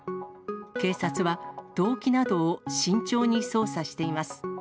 警察は動機などを慎重に捜査しています。